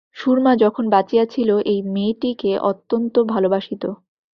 সুরমা যখন বাঁচিয়াছিল, এই মেয়েটিকে অত্যন্ত ভালবাসিত।